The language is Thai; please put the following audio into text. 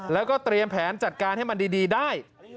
แล้วก็เตรียมแผนจัดการให้มันดีได้